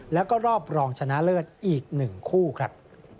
แล้วก็รอบรองชนะเลิศอีก๑คู่ครับ